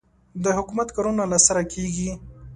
د حکومت کارونه له سره کېږي.